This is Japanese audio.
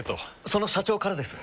その社長からです。